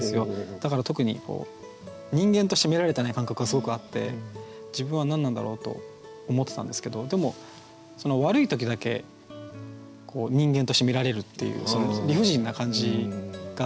だから特に人間として見られてない感覚はすごくあって自分は何なんだろうと思ってたんですけどでも悪い時だけ人間として見られるっていうその理不尽な感じがあって。